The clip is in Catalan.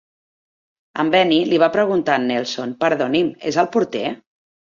En Benny li va preguntar a en Nelson, "Perdoni'm, és el porter?"